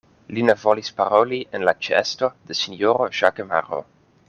Li ne volis paroli en la ĉeesto de sinjoro Ĵakemaro.